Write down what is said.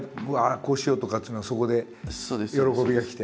こうしよう！とかってというのはそこで喜びがきて？